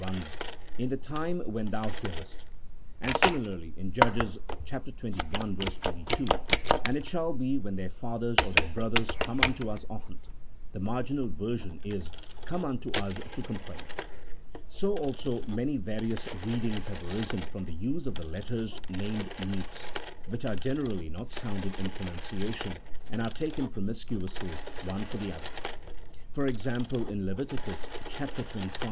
24, runs "in the time when thou nearest," and similarly in Judges xxi. 22, "And it shall be when their fathers or their brothers come unto us often," the marginal version is " come unto us to complain." So also many various readings have arisen from the use of the letters named mutes, which are generally not sounded in pronunciation, and are taken promiscuously, one for the other. For example, in Levit. xxv.